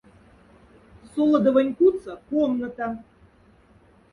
Солодовонь кудса комната.